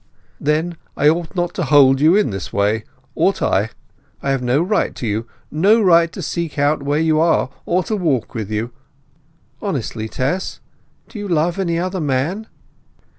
"Then I ought not to hold you in this way—ought I? I have no right to you—no right to seek out where you are, or walk with you! Honestly, Tess, do you love any other man?"